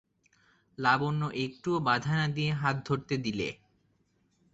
লাবণ্য একটুও বাধা না দিয়ে হাত ধরতে দিলে।